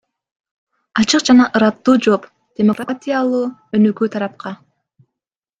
Ачык жана ыраттуу жооп – демократиялуу өнүгүү тарапка.